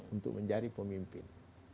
untuk menjadi pemimpin